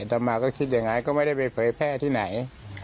เราก็คิดอย่างไรก็ไม่ได้ไปเผยแพร่ที่ไหน